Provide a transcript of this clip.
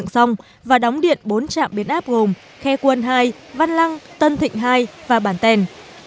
xong và đóng điện bốn trạm biến áp gồm khe quân hai văn lăng tân thịnh hai và bản tèn